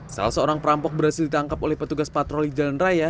salah seorang perampok berhasil ditangkap oleh petugas patroli jalan raya